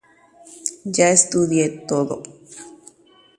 Jastudiapáma.